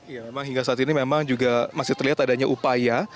ya memang hingga saat ini memang juga masih terlihat adanya upaya